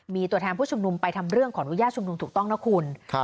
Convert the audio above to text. มีตัวแทนผู้ชุมนุมไปทำเรื่องขออนุญาตชุมนุมถูกต้องนะคุณ